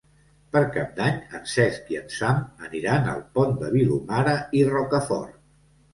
Per Cap d'Any en Cesc i en Sam aniran al Pont de Vilomara i Rocafort.